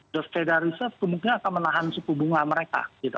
doskeda riset kemungkinan akan menahan suku bunga mereka gitu